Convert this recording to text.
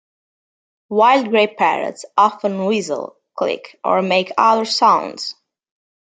Wild grey parrots often whistle, click, or make other sounds.